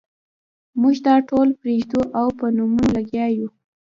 موږ دا ټول پرېږدو او په نومونو لګیا یو.